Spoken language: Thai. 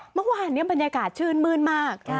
เมื่อวานนี้บรรยากาศชื่นมื้นมาก